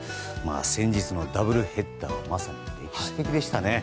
先日のダブルヘッダーはまさに歴史的でしたね。